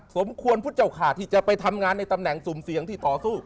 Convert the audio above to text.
สมควรพุทธเจ้าขาดที่จะไปทำงานในตำแหน่งสุ่มเสี่ยงที่ต่อสู้